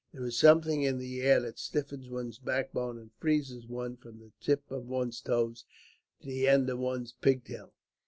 There is something in the air that stiffens one's backbone, and freezes one from the tip of one's toes to the end of one's pigtail.